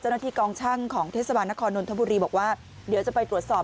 เจ้าหน้าที่กองช่างของเทศบาลนครนนทบุรีบอกว่าเดี๋ยวจะไปตรวจสอบ